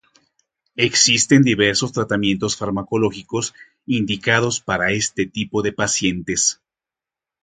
Existen diversos tratamientos farmacológicos indicados para este tipo de pacientes.